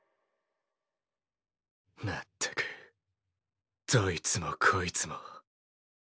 まったくどいつもこいつも。